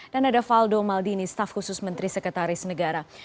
dan ada valdo maldini staf khusus menteri sekretaris negara